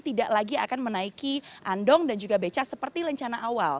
tidak lagi akan menaiki andong dan juga beca seperti rencana awal